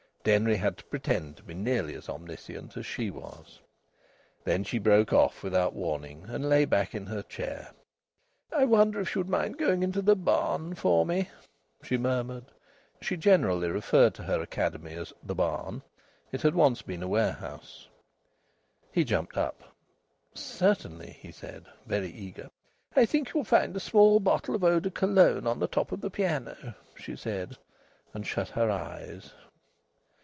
Denry had to pretend to be nearly as omniscient as she was. Then she broke off, without warning, and lay back in her chair. "I wonder if you'd mind going into the barn for me?" she murmured. She generally referred to her academy as the barn. It had once been a warehouse. He jumped up. "Certainly," he said, very eager. "I think you'll see a small bottle of eau de Cologne on the top of the piano," she said, and shut her eyes.